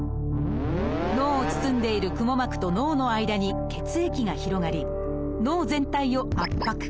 脳を包んでいる「くも膜」と脳の間に血液が広がり脳全体を圧迫。